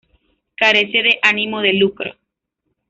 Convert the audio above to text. Carece de ánimo de lucro.